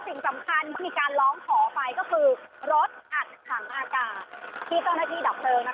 สิ่งสำคัญที่มีการร้องขอไปก็คือรถอัดถังอากาศที่เจ้าหน้าที่ดับเพลิง